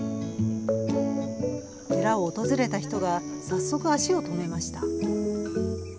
寺を訪れた人が早速、足を止めました。